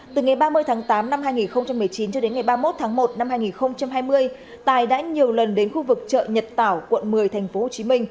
từ ngày ba mươi tháng tám năm hai nghìn một mươi chín cho đến ngày ba mươi một tháng một năm hai nghìn hai mươi tài đã nhiều lần đến khu vực chợ nhật tảo quận một mươi tp hcm